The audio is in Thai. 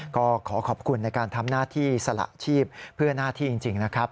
ก็ขอขอบคุณในการทำหน้าที่สละชีพเพื่อหน้าที่จริงนะครับ